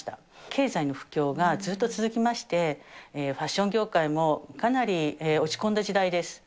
経済の不況がずっと続きまして、ファッション業界もかなり落ち込んだ時代です。